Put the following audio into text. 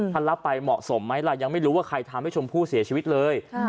รับไปเหมาะสมไหมล่ะยังไม่รู้ว่าใครทำให้ชมพู่เสียชีวิตเลย